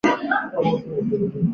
母德妃俞氏。